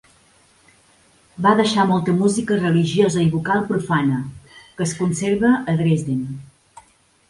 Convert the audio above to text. Va deixar molta música religiosa i vocal profana, que es conserva a Dresden.